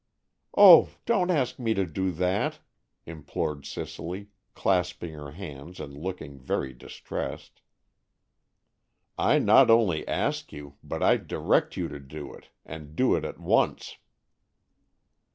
"Oh, don't ask me to do that!" implored Cicely, clasping her hands and looking very distressed. "I not only ask you, but I direct you to do it, and do it at once."